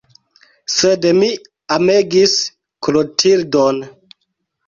Sed mi amegis Klotildon.